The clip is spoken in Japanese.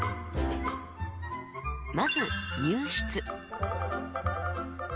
まず入室。